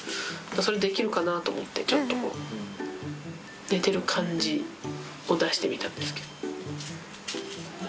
それできるかなと思って、ちょっとこう、寝てる感じを出してみたんですけど。